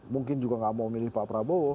mungkin juga nggak mau milih pak prabowo